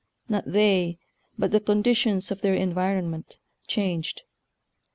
Not they, but the con ditions of their environment, changed.